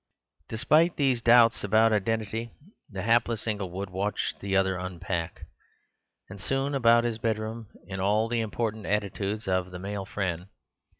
Despite these doubts about identity, the hapless Inglewood watched the other unpack, and stood about his bedroom in all the impotent attitudes of the male friend.